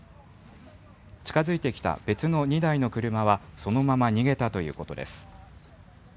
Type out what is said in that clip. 近づいてきた別の２台の車は、そのまま逃げたということです。